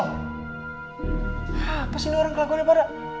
hah apa sih ini orang kelakuan yang pada